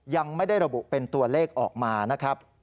ยังไม่ได้ระบุเป็นตัวเลขออกมานะครับ